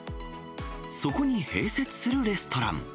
そこに併設するレストラン。